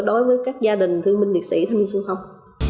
đối với các gia đình thương binh liệt sĩ thanh niên xung phong